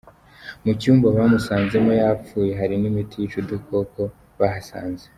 Mu cyumba bamusanzemo yapfuye, hari n'imiti yica udukoko bahasanze.